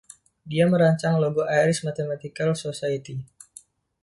Dia merancang logo Irish Mathematical Society.